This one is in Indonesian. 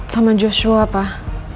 sama joshua pak